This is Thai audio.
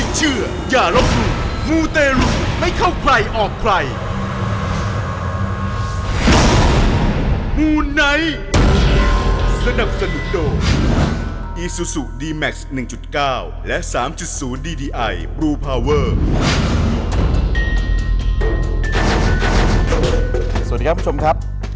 สวัสดีครับคุณผู้ชมครับ